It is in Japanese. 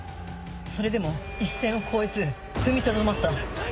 それでも一線を越えず踏みとどまった。